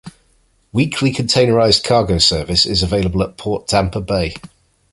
Weekly containerized cargo service is available at Port Tampa Bay.